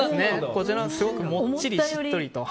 こちらすごくもっちり、しっとりと。